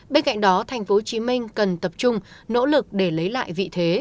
bên cạnh đó tp hcm cần tập trung nỗ lực để lấy lại vị thế